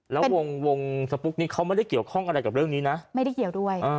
แล้ววงสปุ๊กนี้เขาไม่ได้เกี่ยวข้องอะไรกับเรื่องนี้นะไม่ได้เกี่ยวด้วย